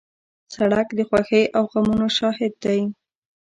سړک د خوښۍ او غمونو شاهد دی.